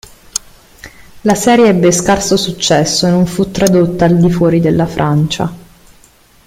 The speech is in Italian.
La serie ebbe scarso successo e non fu tradotta al di fuori della Francia.